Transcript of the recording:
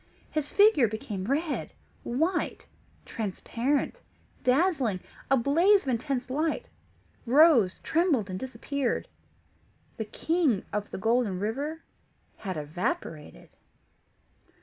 His figure became red, white, transparent, dazzling a blaze of intense light rose, trembled, and disappeared. The King of the Golden River had evaporated.